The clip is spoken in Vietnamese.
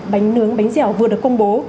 bánh nướng bánh dẻo vừa được công bố